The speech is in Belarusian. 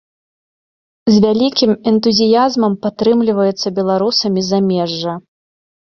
З вялікім энтузіязмам падтрымліваюцца беларусамі замежжа.